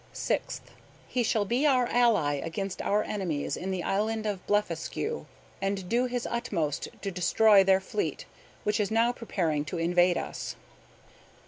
"Sixth. He shall be our ally against our enemies in the island of Blefuscu, and do his utmost to destroy their fleet, which is now preparing to invade us.